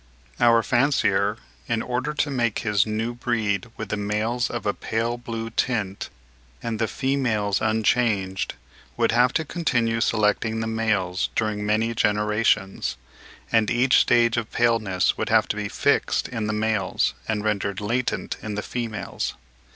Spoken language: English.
Our fancier, in order to make his new breed with the males of a pale blue tint, and the females unchanged, would have to continue selecting the males during many generations; and each stage of paleness would have to be fixed in the males, and rendered latent in the females.